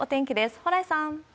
蓬莱さん。